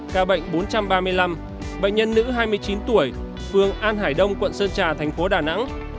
ca bệnh bốn trăm ba mươi năm bệnh nhân nữ hai mươi chín tuổi phường an hải đông quận sơn trà thành phố đà nẵng